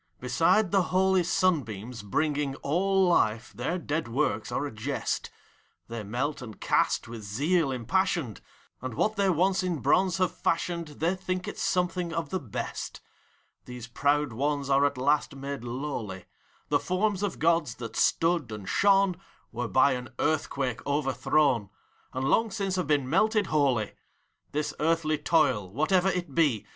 . Beside the holy simbeams, bringing All life, their dead works are a jest. They melt and cast, with zeal impassioned, And what they once in bronze have fashioned, They think it's something of the best. These proud ones are at last made lowly : The forms of Gods, that stood and shone, Were by an earthquake overthrown, And long since have been melted wholly. ACT II. 127 This earthly toil; whatever it be.